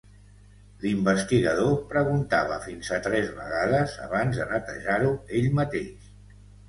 L'investigador preguntava fins a tres vegades abans de netejar-ho ell mateix.